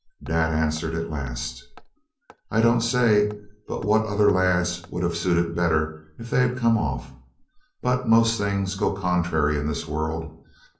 Dad answers at last. 'I don't say but what other lads would have suited better if they'd come off, but most things goes contrary in this world.